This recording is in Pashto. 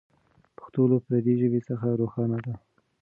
پښتو له پردۍ ژبې څخه روښانه ده.